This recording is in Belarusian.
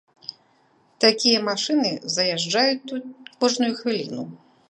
Такія машыны заязджаюць тут кожную хвіліну.